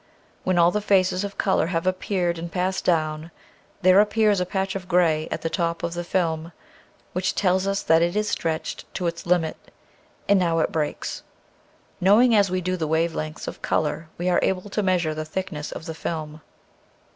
When all the phases of color have appeared and passed down there appears a patch of gray at the top of the film which tells us that it is stretched to its limit. And now it breaks. Knowing as we do the wave lengths of color, we are able to measure the thickness of the film.